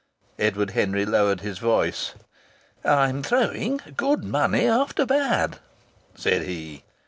Edward Henry lowered his voice. "I'm throwing good money after bad," said he.